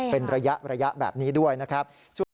เป็นระยะแบบนี้ด้วยนะครับ